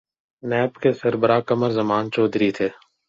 NAB کے سربراہ قمر زمان چوہدری تھے۔